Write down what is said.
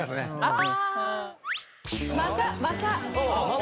あ！